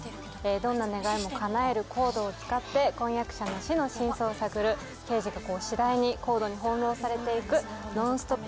どんな願いもかなえるＣＯＤＥを使って婚約者の死の真相を探る刑事が次第にＣＯＤＥに翻弄されていくノンストップ